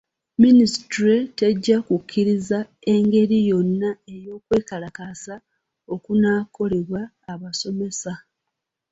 Minisitule tejja kukkiriza ngeri yonna ey'okwekalakaasa okunaakolebwa abasomesa.